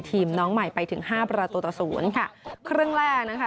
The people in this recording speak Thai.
น้องใหม่ไปถึงห้าประตูต่อศูนย์ค่ะครึ่งแรกนะคะ